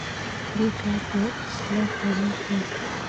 دې کار د اصلاح لامل شو.